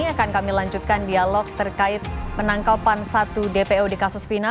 akan kami lanjutkan dialog terkait penangkapan satu dpo di kasus vina